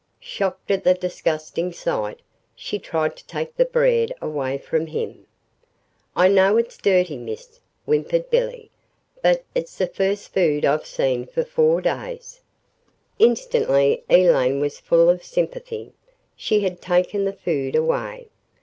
Shocked at the disgusting sight, she tried to take the bread away from him. "I know it's dirty, Miss," whimpered Billy, "but it's the first food I've seen for four days." Instantly Elaine was full of sympathy. She had taken the food away.